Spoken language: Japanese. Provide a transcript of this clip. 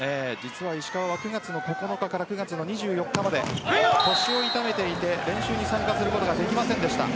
石川９月の９日から９月の２４日まで腰を痛めていて練習に参加することができませんでした。